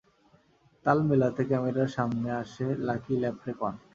তাল মেলাতে ক্যামেরার সামনে আসছে লাকি ল্যাপ্রেকন।